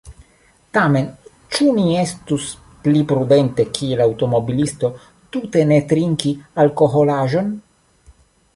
Tamen, ĉu ne estus pli prudente kiel aŭtomobilisto tute ne trinki alkoholaĵon?